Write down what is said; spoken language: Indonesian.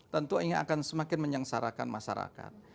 tentu ini akan semakin menyengsarakan masyarakat